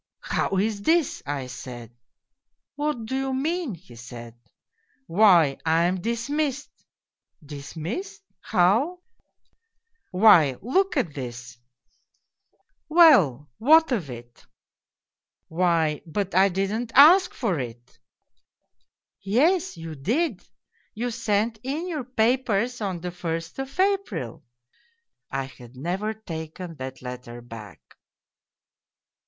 "' How is this ?' I said. "' What do you mean ?' he said. 222 POLZUNKOV "' Why, I am dismissed.' "' Dismissed ? how ?'"' Why, look at this !'"' WeU, what of it ?'"' Why, but I didn't ask for it !'"' Yes, you did you sent in your papers on the first of April/ (I had never taken that letter back